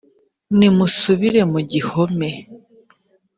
nimusubire mu gihome